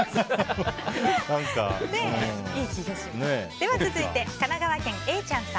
では続いて、神奈川県の方。